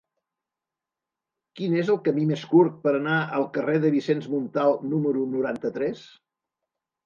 Quin és el camí més curt per anar al carrer de Vicenç Montal número noranta-tres?